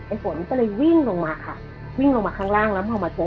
ไอ้หลวงตัวเลยวิ่งลงมาข้างล่างพอมาเจอ